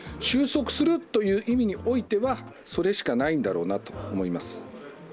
収束するという意味においてはそれしかないんだろうなと思います。